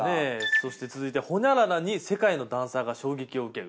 そして続いてホニャララに世界のダンサーが衝撃を受ける。